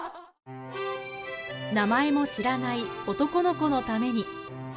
名前も知らない男の子のために。